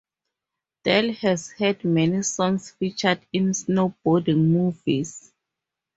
Del has had many songs featured in snowboarding movies.